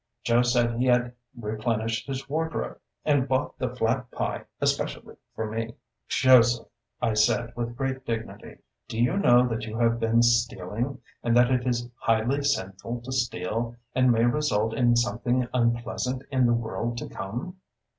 Joe said he had replenished his wardrobe, and bought the flat pie especially for me. "Joseph," I said, with great dignity, "do you know that you have been stealing, and that it is highly sinful to steal, and may result in something unpleasant in the world to come?"